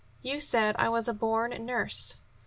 "You said I was a born nurse."